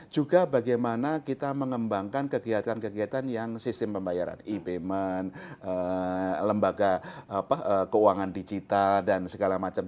juga bagaimana kita mengembangkan kegiatan kegiatan yang sistem pembayaran e payment lembaga keuangan digital dan segala macam